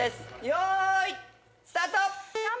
よーいスタート！